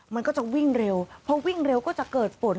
มันก็จะวิ่งเร็วพอวิ่งเร็วก็จะเกิดฝน